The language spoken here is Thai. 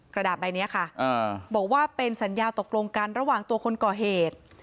กระดาษใบนี้ค่ะบอกว่าเป็นสัญญาตกลงกันระหว่างตัวคนก่อเหตุ